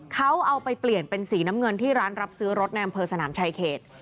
เขาเอาไปเปลี่ยนเป็นสีน้ำเงินที่ร้านรับซื้อรถในอำเภอสนามชายเขต